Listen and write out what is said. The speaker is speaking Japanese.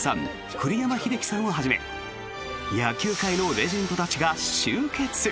栗山英樹さんをはじめ野球界のレジェンドたちが集結。